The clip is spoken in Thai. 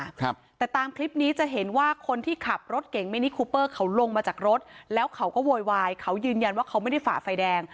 ครับแต่ตามคลิปนี้จะเห็นว่าคนที่ขับรถเก่งมินิคูเปอร์เขาลงมาจากรถแล้วเขาก็โวยวายเขายืนยันว่าเขาไม่ได้ฝ่าไฟแดง